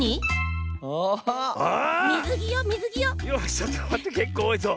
ちょっとまってけっこうおおいぞ。